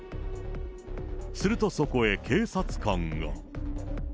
すると、そこへ警察官が。